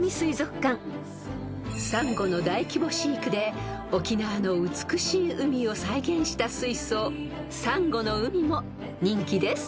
［サンゴの大規模飼育で沖縄の美しい海を再現した水槽サンゴの海も人気です］